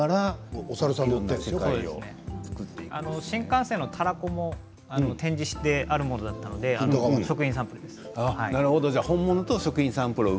新幹線のたらこも展示してあるものだったので食品サンプルです。